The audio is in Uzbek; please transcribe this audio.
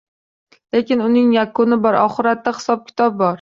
Lekin uning yakuni bor, oxiratda hisob-kitob bor.